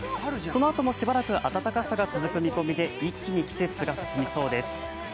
そのあともしばらく暖かさが続く見込みで一気に季節が進みそうです。